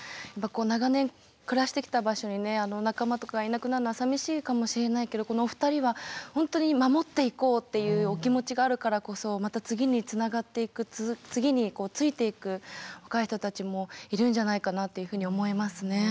長年暮らしてきた場所にね仲間とかがいなくなるのはさみしいかもしれないけどこのお二人は本当に守っていこうっていうお気持ちがあるからこそまた次につながっていく次についていく若い人たちもいるんじゃないかなっていうふうに思えますね。